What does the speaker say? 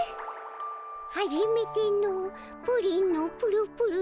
「はじめてのプリンのプルプル